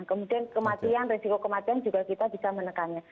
kemudian kematian risiko kematian juga kita bisa menekannya